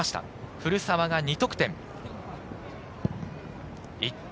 古澤が２得点。